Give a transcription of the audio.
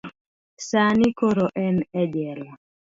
sani koro en e jela.